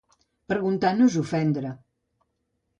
Preguntar no és ofendre.